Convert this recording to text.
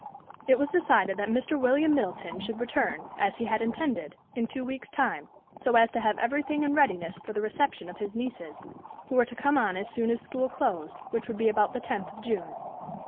It was decided that Mr. William Middleton should return, as he had intended, in two weeks' time, so as to have everything in readiness for the reception of his nieces, who were to come on as soon as school closed, which would be about the tenth of June.